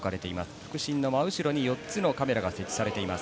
副審の真後ろに４つのカメラが設置されています。